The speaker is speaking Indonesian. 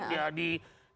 tetap menjadi perhatian